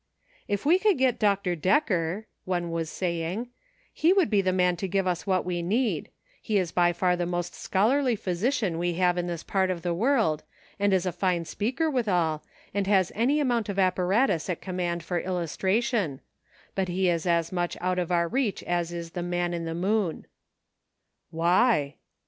" If we could get Dr. Decker," one was saying, " he would be the man to give us what we need ; he is by far the most scholarly physician we have in this part of the world, and is a fine speaker withal, and has any amount of apparatus at com mand for illustration ; but he is as much out of our reach as is the man in the moon." "Why?"